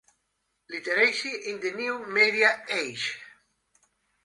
"Literacy in the new media age".